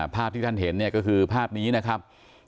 ภาพที่ท่านเห็นเนี่ยก็คือภาพนี้นะครับ